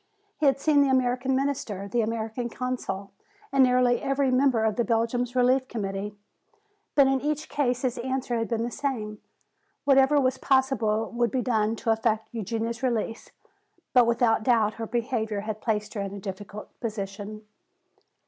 He had seen the American Minister, the American Consul and nearly every member of the Belgian Relief Committee. But in each case his answer had been the same. Whatever was possible would be done to effect Eugenia's release. But without doubt her behavior had placed her in a difficult position.